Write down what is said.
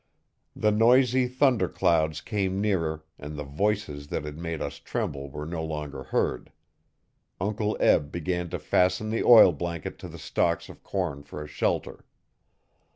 The noisy thunder clouds came nearer and the voices that had made us tremble were no longer heard. Uncle Eb began to fasten the oil blanket to the stalks of corn for a shelter.